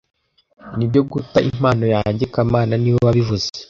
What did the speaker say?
Nibyo guta impano yanjye kamana niwe wabivuze